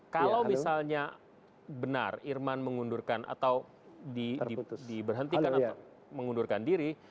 kalau misalnya benar irman mengundurkan atau diberhentikan atau mengundurkan diri